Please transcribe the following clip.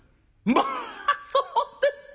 「まあそうですか！